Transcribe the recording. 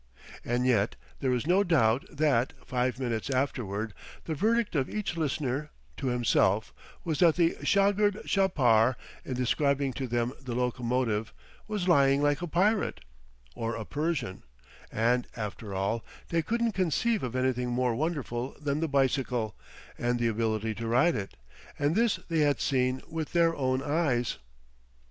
And yet there is no doubt that, five minutes afterward, the verdict of each listener, to himself, was that the shagird chapar, in describing to them the locomotive, was lying like a pirate or a Persian and, after all, they couldn't conceive of anything more wonderful than the bicycle and the ability to ride it, and this they had seen with their own eyes.